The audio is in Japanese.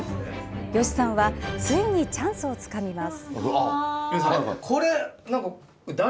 吉さんはついにチャンスをつかみます。